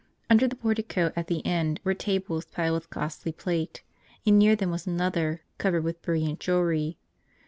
Under the portico at the end were tables piled with costly plate, and near them was another covered with brilliant jew elry.